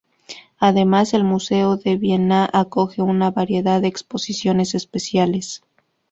Además, el Museo de Viena acoge una variedad de exposiciones especiales.